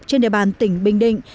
trên địa bàn tỉnh bình định